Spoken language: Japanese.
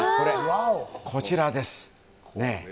こちらです。